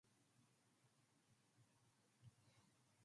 In the novella, the Palestinians die in silence.